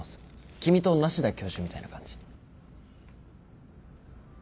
君と梨多教授みたいな感じ。